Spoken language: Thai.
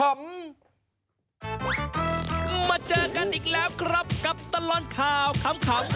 มาเจอกันอีกแล้วครับกับตลอดข่าวขำ